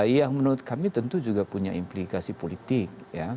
yang menurut kami tentu juga punya implikasi politik